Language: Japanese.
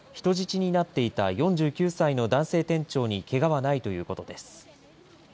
人質になっていた４９歳の男性店長にけがはないということです。